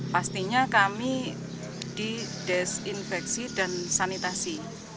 pastinya kami didesinfeksi dan sanitasi